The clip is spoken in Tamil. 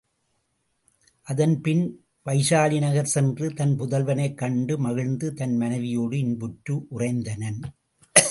அதன்பின் வைசாலி நகர் சென்று தன் புதல்வனைக் கண்டு மகிழ்ந்து, தன் மனைவியோடு இன்புற்று உறைந்தனன்.